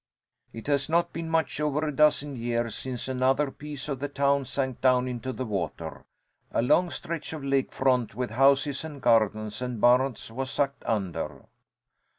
"It has not been much over a dozen years since another piece of the town sank down into the water. A long stretch of lake front with houses and gardens and barns was sucked under."